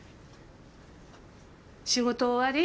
仕事終わり？